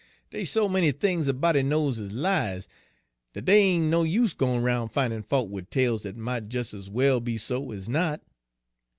Dey's so many things a body knows is lies, dat dey ain' no use gwine roun' findin' fault wid tales dat mought des ez well be so ez not.